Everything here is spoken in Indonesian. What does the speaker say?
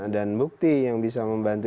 bukti yang bisa membantu